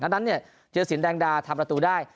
ดังนั้นเชื้อสินแด้งดาวทำระตูได้